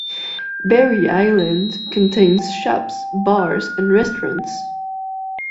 Barry Island contains shops, bars and restaurants.